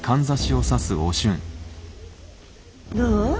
どう？